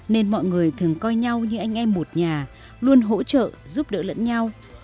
nên mọi người thường coi nhau như anh em một nhà luôn hỗ trợ giúp đỡ lẫn nhau